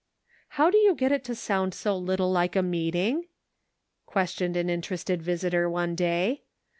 " How do you get it to sound so little like a meeting ?" questioned an interested visitor one day.